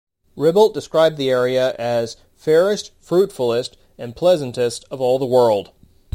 Ribault described the area as, Fairest, fruitfulest and pleasantest of all the world.